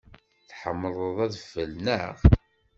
Tḥemmleḍ adfel, naɣ?